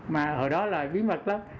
mà hồi đó là bí mật lắm